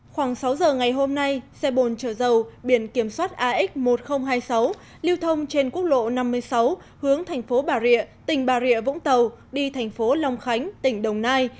khoảng sáu giờ ngày hôm nay xe bồn chở dầu biển kiểm soát ax một nghìn hai mươi sáu lưu thông trên quốc lộ năm mươi sáu hướng thành phố bà rịa tỉnh bà rịa vũng tàu đi thành phố long khánh tỉnh đồng nai